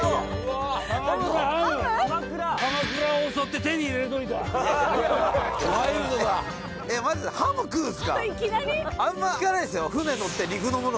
あんま聞かないですよ。